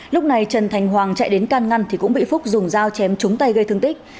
lúc này trần thành hoàng chạy đến can ngăn thì cũng bị phúc dùng dao chém trúng tay gây thương tích